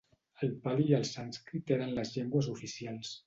El pali i el sànscrit eren les llengües oficials.